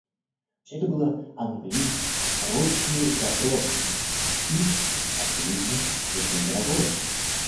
Всё это было английское, прочное и добротное и, очевидно, очень дорогое.